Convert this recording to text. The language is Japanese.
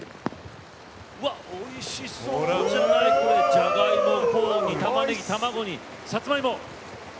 じゃがいもコーンにたまねぎ卵にさつまいも。